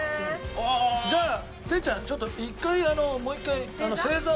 じゃあ哲ちゃんちょっと一回もう一回正座を。